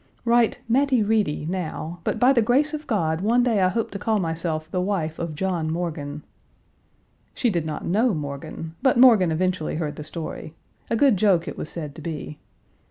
"Write 'Mattie Reedy' now, but by the grace of God one day I hope to call myself the wife of John Morgan." She did not know Morgan, but Morgan eventually heard the story; a good joke it was Page 243 said to be.